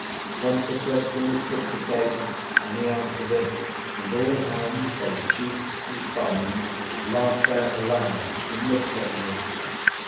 Once a question was put to Case, and he answered it, and all hands (both chiefs and commons) laughed out aloud, and looked at me.